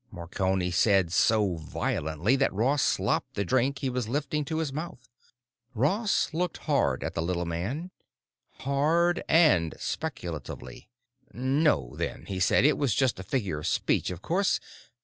Marconi said, so violently that Ross slopped the drink he was lifting to his mouth. Ross looked hard at the little man—hard and speculatively. "No, then," he said. "It was just a figure of speech, of course.